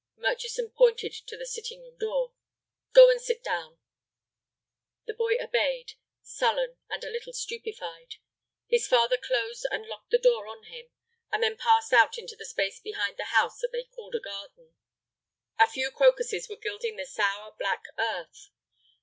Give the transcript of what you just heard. Murchison pointed to the sitting room door. "Go and sit down." The boy obeyed, sullen and a little stupefied. His father closed and locked the door on him, and then passed out into the space behind the house that they called a garden. A few crocuses were gilding the sour, black earth.